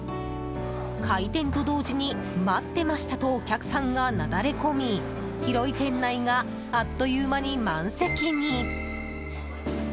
開店と同時に待ってましたとお客さんがなだれ込み広い店内があっという間に満席に。